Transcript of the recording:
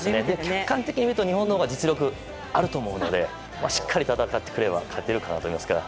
客観的に見ると日本のほうが実力あると思うのでしっかり戦ってくれれば勝てると思います。